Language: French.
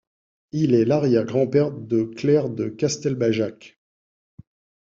Il est l'arrière-grand-père de Claire de Castelbajac.